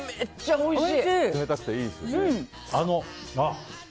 おいしい。